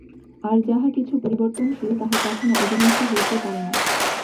আর যাহা কিছু পরিবর্তনশীল, তাহা কখনও অবিনাশী হইতে পারে না।